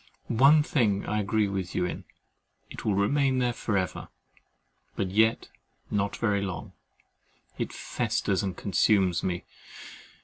One thing I agree with you in, it will remain there for ever; but yet not very long. It festers, and consumes me.